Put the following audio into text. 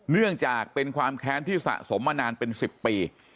เนื่องจากเป็นความแค้นที่สะสมมานานเป็น๑๐ปี